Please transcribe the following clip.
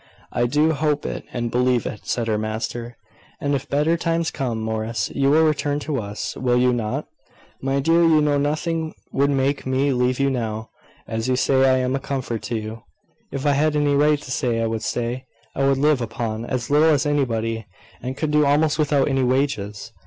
"I do hope it, and believe it," said her master. "And if better times come, Morris, you will return to us. Will you not?" "My dear, you know nothing would make me leave you now (as you say I am a comfort to you) if I had any right to say I would stay. I could live upon as little as anybody, and could do almost without any wages.